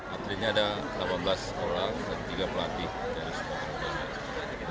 atletnya ada delapan belas orang dan tiga pelatih dari supporter